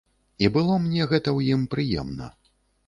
І было мне гэта ў ім прыемна.